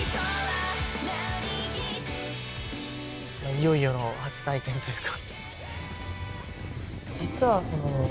いよいよの初体験というか。